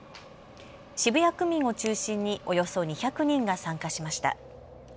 渋谷区民を中心におよそ２００人が参加しました。